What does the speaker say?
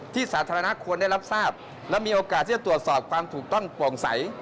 สาธารณะควรได้รับทราบและมีโอกาสที่จะตรวจสอบความถูกต้องโปร่งใส